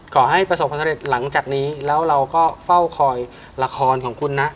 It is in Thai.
ขอให้ประสบความสำเร็จหลังจากนี้แล้วเราก็เฝ้าคอยละครของคุณนะ